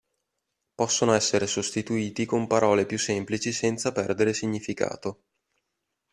Possono essere sostituiti con parole più semplici senza perdere significato.